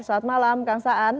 selamat malam kang saan